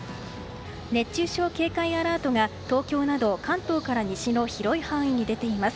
熱中症警戒アラートが東京など関東から西の広い範囲に出ています。